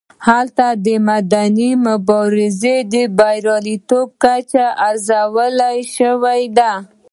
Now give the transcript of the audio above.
هلته د مدني مبارزې د بریالیتوب کچه ارزول شوې ده.